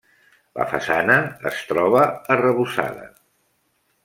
La façana es troba arrebossada.